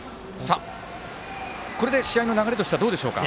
これで試合の流れとしてはどうでしょうか。